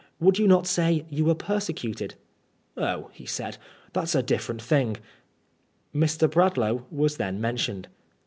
Would you not say you were persecuted ?"'' Oh," he said, '' that's a different thing.*' Mr. Bradlaugh was then mentioned.